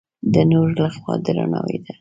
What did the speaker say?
د نورو له خوا درناوی ده.